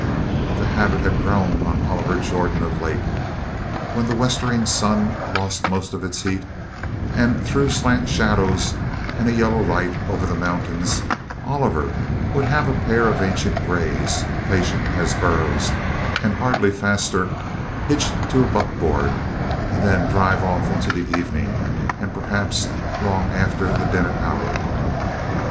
The habit had grown on Oliver Jordan of late. When the westering sun lost most of its heat and threw slant shadows and a yellow light over the mountains, Oliver would have a pair of ancient greys, patient as burros and hardly faster, hitched to a buckboard and then drive off into the evening and perhaps, long after the dinner hour.